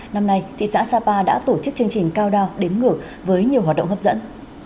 năm nay thị xã sapa đã tổ chức chương trình cao đao đếm ngược với nhiều hoạt động hấp dẫn